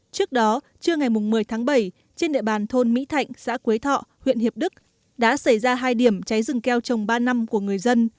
trước đó trưa ngày một mươi tháng bảy trên địa bàn thôn mỹ thạnh xã quế thọ huyện hiệp đức đã xảy ra hai điểm cháy rừng keo trồng ba năm của người dân